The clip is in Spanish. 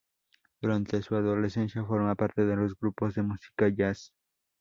Durante su adolescencia forma parte de dos grupos de música jazz.